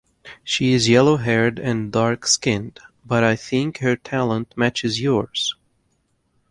She is yellow-haired and dark-skinned, but I think her talent matches yours.